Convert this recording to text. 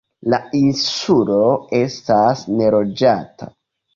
La insulo estas neloĝata.